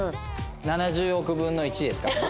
７０億分の１ですからね。